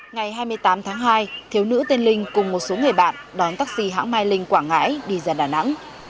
ngày hai mươi tám tháng hai thiếu nữ tên linh cùng một số người bạn đón taxi hãng mai linh quảng ngãi đi ra đà nẵng